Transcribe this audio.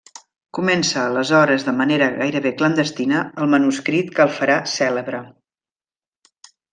Comença aleshores, de manera gairebé clandestina, el manuscrit que el farà cèlebre.